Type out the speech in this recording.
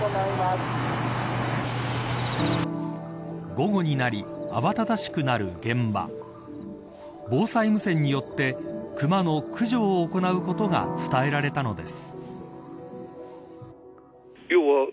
午後になり慌ただしくなる現場防災無線によって熊の駆除を行うことが伝えられたのです。